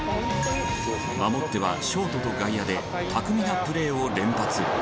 守ってはショートと外野で巧みなプレーを連発。